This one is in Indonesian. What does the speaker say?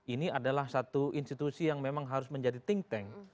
ini adalah satu institusi yang memang harus menjadi think tank